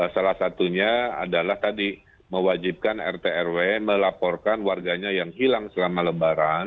salah satunya adalah tadi mewajibkan rt rw melaporkan warganya yang hilang selama lebaran